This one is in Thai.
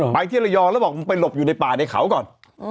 ไปที่ระยองแล้วบอกมึงไปหลบอยู่ในป่าในเขาก่อน